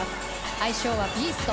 愛称はビースト。